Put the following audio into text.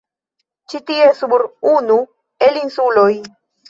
Ĉi tie sur unu el insuloj